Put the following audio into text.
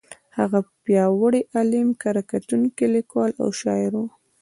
هغه پیاوړی عالم، کره کتونکی، لیکوال او شاعر و.